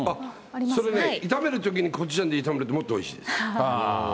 それね、炒めるときにコチュジャンで炒めるともっとおいしいです。